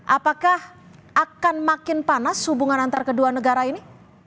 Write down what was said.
apakah akan makin panas hubungan antara kedua negara ini